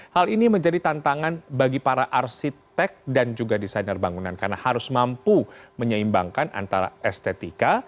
hal ini menjadi tantangan bagi para arsitek dan juga desainer bangunan karena harus mampu menyeimbangkan antara estetika